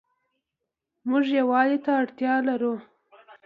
مونږ يووالي ته اړتيا لرو